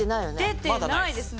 出てないですね。